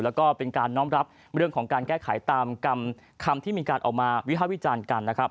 แล้วก็เป็นการน้อมรับเรื่องของการแก้ไขตามคำที่มีการออกมาวิภาควิจารณ์กันนะครับ